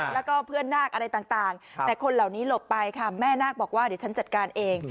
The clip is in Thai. แล้วก็เพื่อนนาคอะไรต่างแต่คนเหล่านี้หลบไปค่ะแม่นาคบอกว่าเดี๋ยวฉันจัดการเอง